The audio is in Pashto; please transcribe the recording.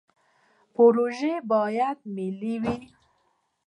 پروژې باید ملي وي